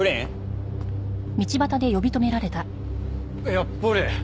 やっぱり！